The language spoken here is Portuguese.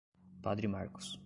Padre Marcos